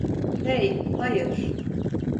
Hey, hayır!